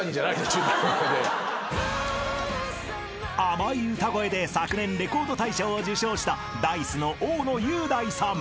［甘い歌声で昨年レコード大賞を受賞したＤａ−ｉＣＥの大野雄大さん］